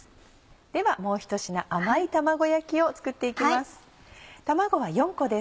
ではもうひと品甘い卵焼きを作って行きます。